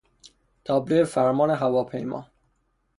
تابلوی فرمان هواپیما